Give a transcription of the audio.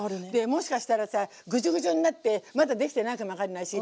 もしかしたらさグチュグチュになってまだできてないかも分かんないし。